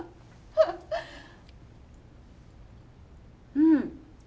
うん。